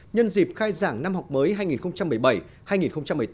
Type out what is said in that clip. nhân dịp khai giảng năm học mới hai nghìn một mươi bảy hai nghìn một mươi tám